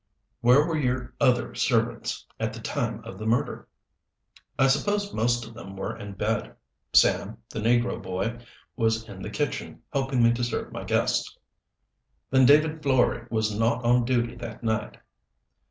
"Where were your other servants at the time of the murder?" "I suppose most of them were in bed. Sam, the negro boy, was in the kitchen, helping me to serve my guests." "Then David Florey was not on duty that night?"